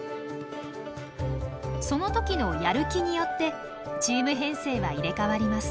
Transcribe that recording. その時のやる気によってチーム編成は入れ代わります。